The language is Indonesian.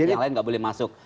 yang lain nggak boleh masuk